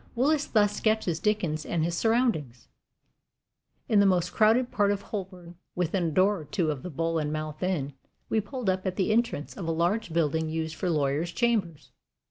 Willis thus sketches Dickens and his surroundings: In the most crowded part of Holborn, within a door or two of the Bull and Mouth Inn, we pulled up at the entrance of a large building used for lawyers' chambers.